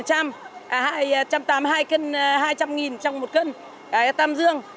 một trăm tám mươi hai cân hai trăm linh nghìn trong một cân tam dương